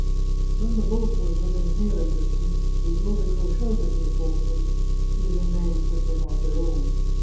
When the boat was within hailing distance, Ludovico shouted to the boatmen, using names which were not their own.